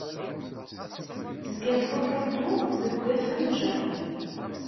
Tezga-d Hokkaido deg ugafa n Japun.